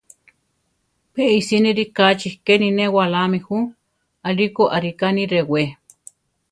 Pe isíni rikáchi keni newalámi ju; alíko arika ni rewé.